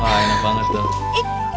wah enak banget tuh